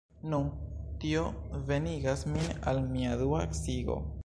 Nu, tio venigas min al mia dua sciigo.